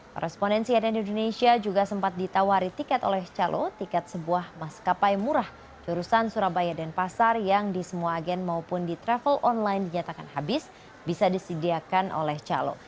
korrespondensi ann indonesia juga sempat ditawari tiket oleh calo tiket sebuah maskapai murah jurusan surabaya dan pasar yang di semua agen maupun di travel online dinyatakan habis bisa disediakan oleh calo